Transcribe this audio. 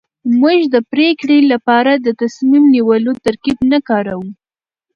موږ د پرېکړې لپاره د تصميم نيولو ترکيب نه کاروو.